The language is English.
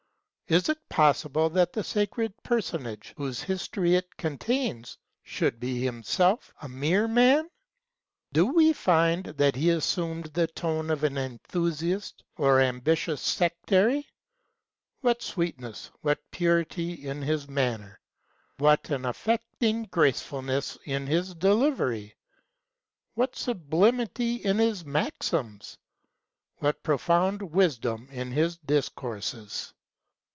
Is it possible that the sacred personage, whose history it contains, should be himself a mere man ? Do we find that he assumed the tone of an enthusiast or ambitious sectary ? What sweetness, what purity in his manner! What an affecting gracefulness in his delivery ' What sublimity in his maxims ! what profound v/is dom in his discourses!